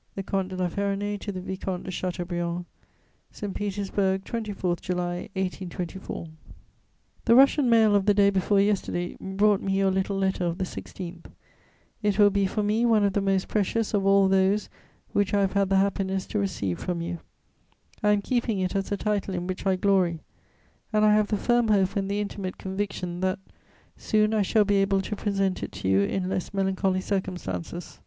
] THE COMTE DE LA FERRONAYS TO THE VICOMTE DE CHATEAUBRIAND "ST. PETERSBURG, 24 July 1824. "The Russian mail of the day before yesterday brought me your little letter of the 16th; it will be for me one of the most precious of all those which I have had the happiness to receive from you; I am keeping it as a title in which I glory, and I have the firm hope and the intimate conviction that soon I shall be able to present it to you in less melancholy circumstances.